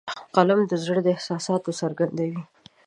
قلم د زړونو احساسات څرګندوي